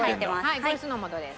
はいこれ酢の素です。